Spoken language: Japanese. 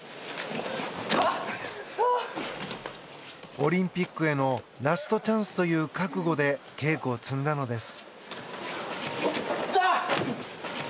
オリンピックへのラストチャンスという覚悟で稽古を積んだのです。